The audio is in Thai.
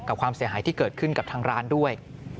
ความเสียหายที่เกิดขึ้นกับทางร้านด้วย